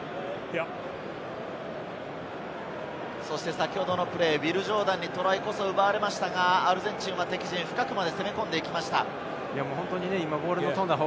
先ほどのプレー、ウィル・ジョーダンにトライこそ奪われましたが、アルゼンチンは敵陣深くまで攻め込んでいきました。